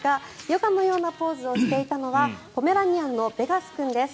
ヨガのようなポーズをしていたのはポメラニアンのベガス君です。